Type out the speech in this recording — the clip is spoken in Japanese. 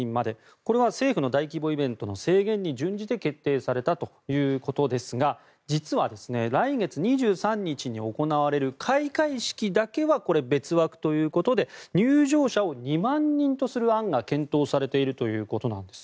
これは政府の大規模イベントの制限に準じて決定されたということですが実は来月２３日に行われる開会式だけは別枠ということで入場者を２万人とする案が検討されているということです。